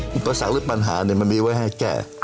มันก็สามารถเลือกปัญหาเนี่ยมันมีไว้ให้แก้